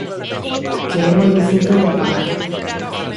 Que é moi difícil de apagar.